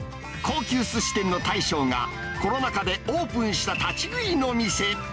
高級すし店の大将が、コロナ禍でオープンした立ち食いの店。